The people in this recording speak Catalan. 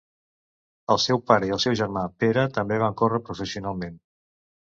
El seu pare i el seu germà Pere també van córrer professionalment.